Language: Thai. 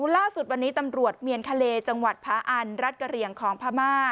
ล่าสุดวันนี้ตำรวจเมียนทะเลจังหวัดพาอันรัฐกะเหลี่ยงของพม่า